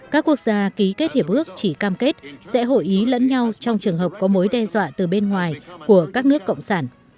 các quốc gia ký kết hiệp ước chỉ cam kết sẽ hội ý lẫn nhau trong trường hợp có mối đe dọa từ bên ngoài của các nước cộng sản